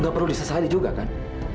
gak perlu disesali juga kan